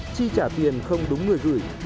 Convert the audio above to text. chi trả tiền không đúng người gửi